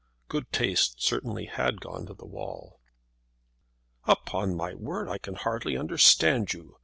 Good taste certainly had gone to the wall. "Upon my word, I can hardly understand you!"